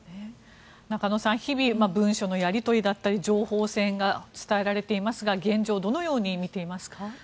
中野さん、日々文書のやり取りだったり情報戦が伝えられていますが現状をどのように見ていますか。